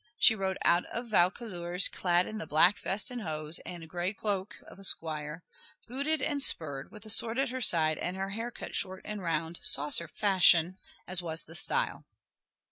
She rode out of Vaucouleurs clad in the black vest and hose, and gray cloak of a squire, booted and spurred, with a sword at her side and her hair cut short and round, saucer fashion, as was the style.